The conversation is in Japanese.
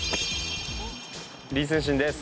李承信です。